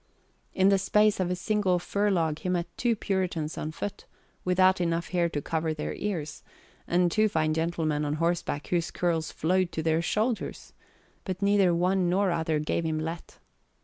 In the space of a single furlong he met two Puritans on foot, without enough hair to cover their ears, and two fine gentlemen on horseback whose curls flowed to their shoulders; but neither one nor other gave him let.